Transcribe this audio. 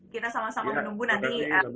kita sama sama menunggu nanti